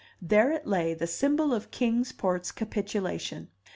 There it lay, the symbol of Kings Port's capitulation.